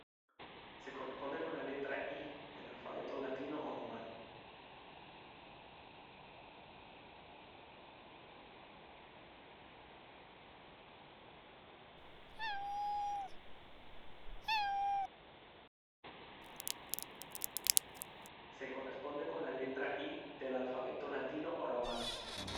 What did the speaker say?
Se corresponde con la letra I del alfabeto latino o romano.